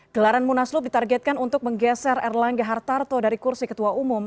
gelaran munaslup ditargetkan untuk menggeser erlangga hartarto dari kursi ketua umum